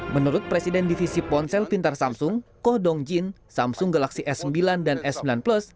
menurut presiden divisi ponsel pintar samsung koh dong jin samsung galaxy s sembilan dan s sembilan plus